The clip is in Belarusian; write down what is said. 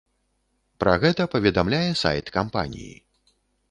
Пра гэта паведамляе сайт кампаніі.